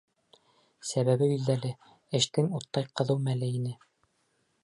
Сәбәбе билдәле: эштең уттай ҡыҙыу мәле ине.